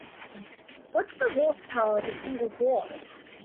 What's the horsepower of a single horse?